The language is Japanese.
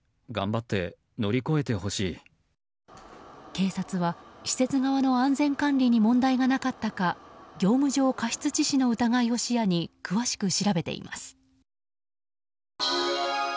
警察は施設側の安全管理に問題がなかったか業務上過失致死の疑いを視野に詳しく調べています。